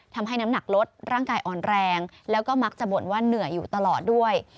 ทำให้น้ำหนักลดร่างกายอ่อนแรงแล้วก็มักจะบ่นว่าเหนื่อยอยู่ตลอดด้วย